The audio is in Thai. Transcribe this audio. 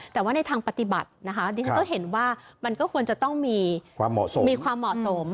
แต่ว่าในทางปฏิบัตินะคะดิฉันก็เห็นว่ามันก็ควรจะต้องมีความเหมาะสม